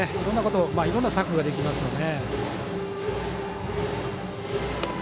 いろんな策ができますよね。